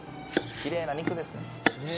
きれいな肉ですねねえ